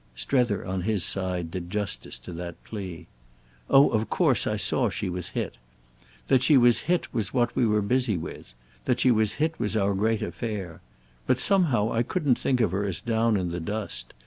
Strether, on his side, did justice to that plea. "Oh of course I saw she was hit. That she was hit was what we were busy with; that she was hit was our great affair. But somehow I couldn't think of her as down in the dust.